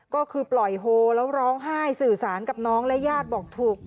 ก็คือปล่อยโฮแล้วร้องไห้สื่อสารกับน้องและญาติบอกถูก